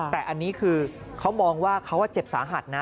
แต่อันนี้คือเขามองว่าเขาเจ็บสาหัสนะ